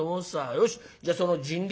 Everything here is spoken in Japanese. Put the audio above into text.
よしじゃその人力